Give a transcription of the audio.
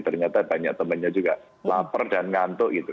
ternyata banyak temannya juga lapar dan ngantuk gitu